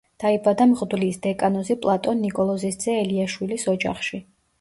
დაიბადა მღვდლის, დეკანოზი პლატონ ნიკოლოზის ძე ელიაშვილის ოჯახში.